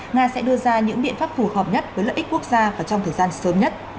nga sẽ đưa ra những biện pháp phù hợp nhất với lợi ích quốc gia và trong thời gian sớm nhất